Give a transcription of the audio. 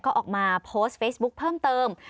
ก็ออกมาโพสต์เฟซบุ๊คเพิ่มเติม